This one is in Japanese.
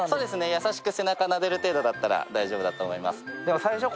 優しく背中をなでる程度だったら大丈夫だと思います。